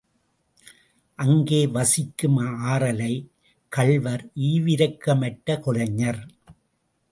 அங்கே வசிக்கும் ஆறலை கள்வர் ஈவிரக்கமற்ற கொலைஞர்.